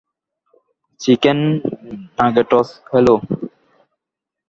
Chicken nuggets hello?